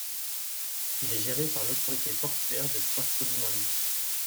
Il est géré par l'Autorité portuaire de Puerto Limón.